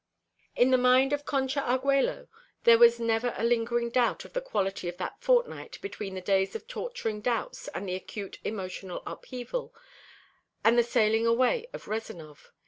In the mind of Concha Arguello there was never a lingering doubt of the quality of that fortnight between the days of torturing doubts and acute emotional upheaval, and the sailing away of Rezanov.